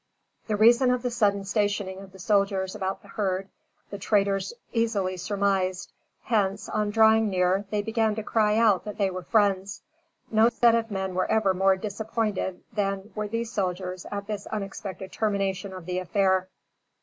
The reason of the sudden stationing of the soldiers about the herd, the traders easily surmised; hence, on drawing near, they began to cry out that they were friends. No set of men were ever more disappointed than were these soldiers at this unexpected termination of the affair.